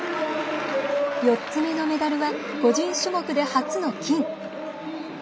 ４つ目のメダルは個人種目で初の金。